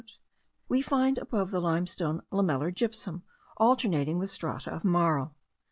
we find above the limestone lamellar gypsum alternating with strata of marl.